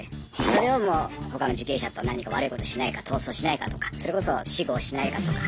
それを他の受刑者と何か悪いことしないか逃走しないかとかそれこそ私語をしないかとか。